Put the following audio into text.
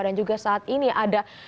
dan juga saat ini ada